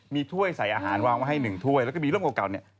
มีถ้วยใส่อาหารวางไว้ให้๑ถ้วยแล้วก็มีร่มเก่าเนี่ย